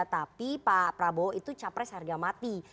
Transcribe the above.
tapi pak prabowo itu capres harga mati